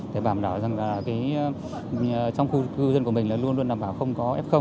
để bảo đảm rằng trong khu cư dân của mình luôn đảm bảo không có f